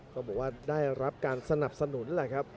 ก็บอกว่าได้รับการสนับสนุนแหละครับ